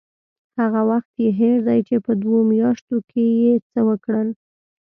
هغه وخت یې هېر دی چې په دوو میاشتو کې یې څه وکړل.